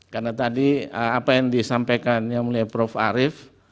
karena tadi apa yang disampaikan yang mulia prof arief